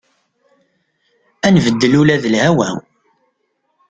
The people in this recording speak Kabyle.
Ad nbeddel ula d lhawa.